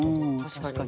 確かに。